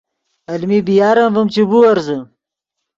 المین بی یار ام ڤیم چے بیورزے